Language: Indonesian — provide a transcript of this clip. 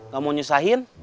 gak mau nyusahin